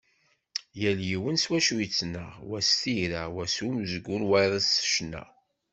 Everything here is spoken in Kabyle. Yal yiwen s wacu yettnaɣ, wa s tira, wa s umezgun, wayeḍ s ccna.